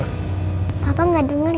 iya udah mau nyampe mobil